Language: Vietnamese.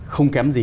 không kém gì